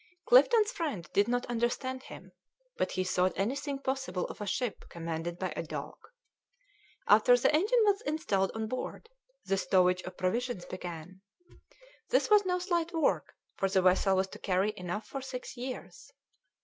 Clifton's friend did not understand him, but he thought anything possible of a ship commanded by a dog. After the engine was installed on board, the stowage of provisions began. This was no slight work, for the vessel was to carry enough for six years.